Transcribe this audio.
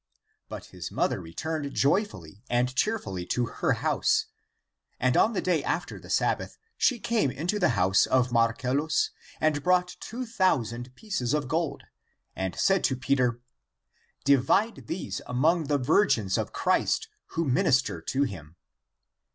But his mother returned joyfully and cheerfully to her house. And on the day after the Sabbath she came into the house of Marcellus and brought two thousand pieces of gold, and said to Peter, " Divide these among the vir gins of Christ, who minister to Him."